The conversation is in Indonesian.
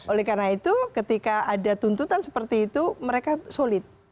oleh karena itu ketika ada tuntutan seperti itu mereka solid